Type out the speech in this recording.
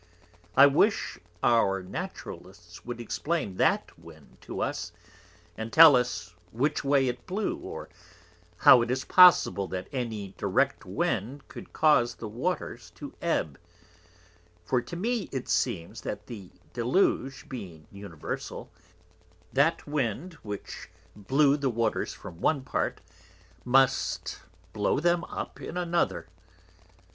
I wish our Naturalists would explain that Wind to us, and tell us which way it blew, or how it is possible that any direct Wind could cause the Waters to ebb; for to me it seems, that the Deluge being universal, that Wind which blew the Waters from one Part must blow them up in another.